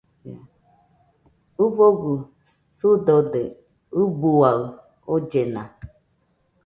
ɨfogɨ sɨdode ɨbuaɨ ollena